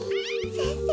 先生